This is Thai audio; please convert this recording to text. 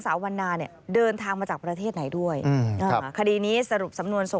แต่เพราะเหยื่อเหิ่นในการโดยจะเกิดจับคุมที่ภูมิต้าม